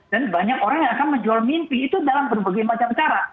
dan banyak orang yang akan menjual mimpi itu dalam berbagai macam cara